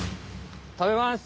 食べます！